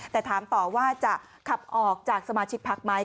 แต่ถามต่อว่าจะขับออกจากสมาชิกพักไหม